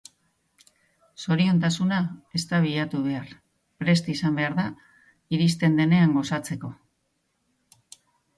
Zoriontasuna ez da bilatu behar. Prest izan behar da iristen denean gozatzeko.